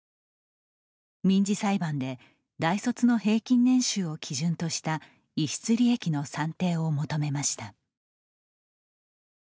民事裁判で大卒の平均年収を基準とした逸失利益の算定を求めました。